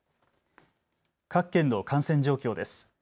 各県の感染状況です。